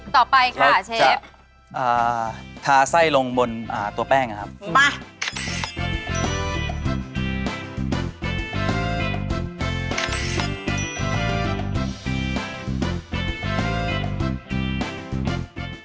ต่อไปค่ะเชฟทาไส้ลงบนตัวแป้งนะครับมา